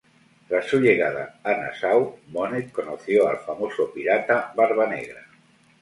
Tras su llegada a Nassau Bonnet conoció al famoso pirata Barbanegra.